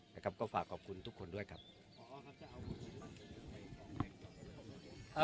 นะครับก็ฝากขอบคุณทุกคนด้วยครับอ๋อครับ